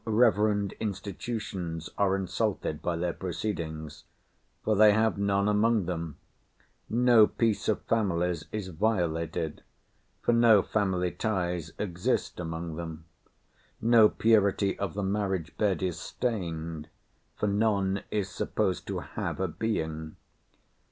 No reverend institutions are insulted by their proceedings,—for they have none among them. No peace of families is violated,—for no family ties exist among them. No purity of the marriage bed is stained,—for none is supposed to have a being.